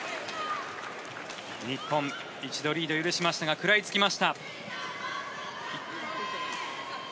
日本、一度リードを許しましたが食らいつきました。